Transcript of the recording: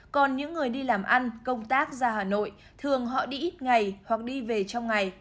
còn những người đi làm ăn công tác ra hà nội thường họ đi ít ngày hoặc đi về trong ngày